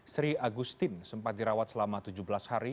sri agustin sempat dirawat selama tujuh belas hari